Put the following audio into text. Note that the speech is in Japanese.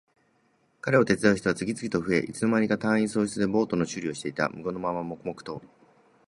彼を手伝う人は次々と増え、いつの間にか隊員総出でボートの修理をしていた。無言のまま黙々と。